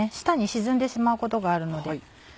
下に沈んでしまうことがあるので。